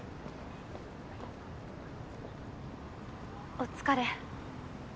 お疲れ。